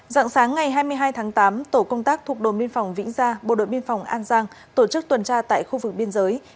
dạng sáng ngày hai mươi hai tháng tám tổ công tác thuộc đồn biên phòng vĩnh gia bộ đội biên phòng an giang tổ chức tuần tra tại khu vực biên giới